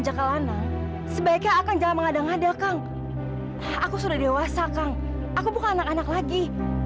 jakalana sebaiknya akan jangan mengadang ada kang aku sudah dewasa kang aku bukan anak anak lagi